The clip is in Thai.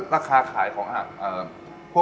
มะลาโก